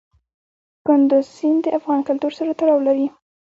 کندز سیند د افغان کلتور سره تړاو لري.